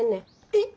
えっ？